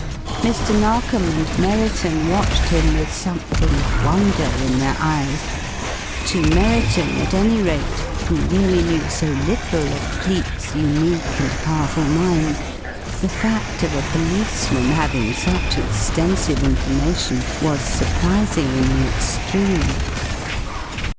Mr. Narkom and Merriton watched him with something of wonder in their eyes. To Merriton, at any rate, who really knew so little of Cleek's unique and powerful mind, the fact of a policeman having such extensive information was surprising in the extreme.